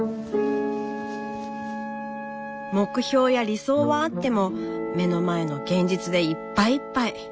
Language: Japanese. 目標や理想はあっても目の前の現実でいっぱいいっぱい。